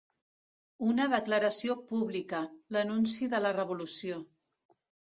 Una declaració pública, l'anunci de la revolució